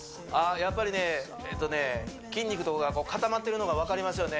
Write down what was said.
やっぱりね筋肉とかが固まってるのが分かりますよね